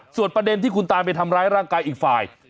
ส่วนประเด็นที่คุณตาไปทำร้ายร่างกายอีกฝ่าย